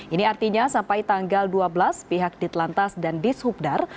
ini artinya sampai tanggal dua belas pihak ditlantas dan dishubdar